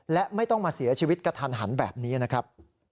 และไม่ต้องมาเสียชีวิตกระทันหันแบบนี้นะครับ